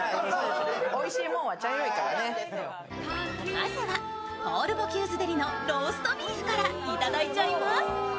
まずはポール・ボキューズのローストビーフからいただいちゃいます。